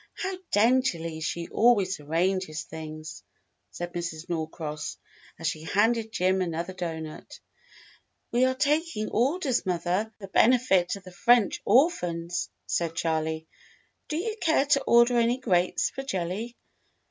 How daintily she always arranges things," said Mrs. Norcross, as she handed Jim another doughnut. "We are taking orders, mother, for the benefit of the French orphans," said Charley. "Do you care to order any grapes for jelly